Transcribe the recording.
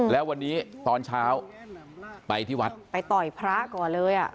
แล้ววันนี้ตอนเช้าไปที่วัดไปต่อยพระก่อนเลยอ่ะ